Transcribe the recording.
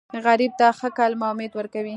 غریب ته ښه کلمه امید ورکوي